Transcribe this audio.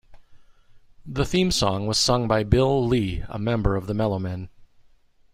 The theme song was sung by Bill Lee, a member of the Mellomen.